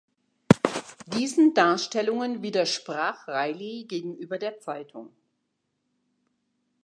Diesen Darstellungen widersprach Riley gegenüber der Zeitung.